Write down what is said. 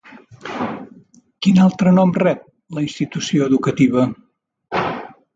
Quin altre nom rep la institució educativa?